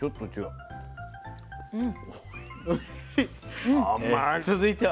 うん。